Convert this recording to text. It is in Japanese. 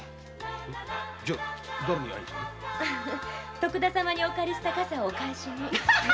徳田様にお借りしたカサをお返しに。